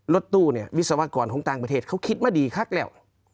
รถตู้เนี่ยวิศวกรของต่างประเทศเขาคิดมาดีคักแล้ว